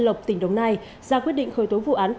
lợi dụng gây án